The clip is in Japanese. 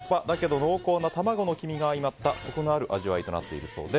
焼きそばだけど濃厚な卵の黄身が相まったコクのある味わいとなっているそうです。